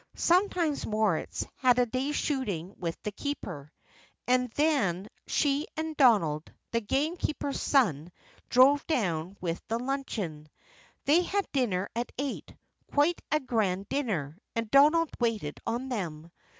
Sometimes Moritz had a day's shooting with the keeper, and then she and Donald, the gamekeeper's son, drove down with the luncheon. They had dinner at eight quite a grand dinner, and Donald waited on them.